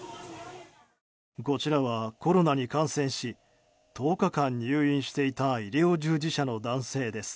こちらは、コロナに感染し１０日間入院していた医療従事者の男性です。